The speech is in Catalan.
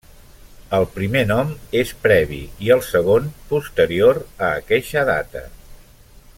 El primer nom és previ i el segon posterior a aqueixa data.